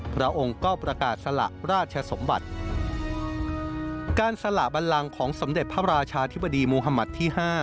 พระองค์ก็ประกาศสละราชสมบัติการสละบันลังของสมเด็จพระราชาธิบดีมุธมัติที่ห้า